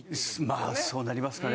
まあそうなりますかね。